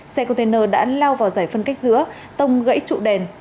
xe container đã lao vào giải phân cách giữa tông gãy trụ đèn